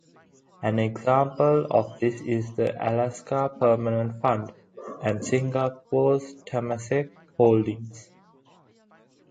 An example of this is the Alaska Permanent Fund and Singapore's Temasek Holdings.